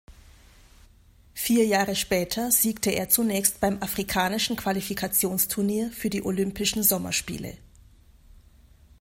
Vier Jahre später siegte er zunächst beim afrikanischen Qualifikationsturnier für die Olympischen Sommerspiele.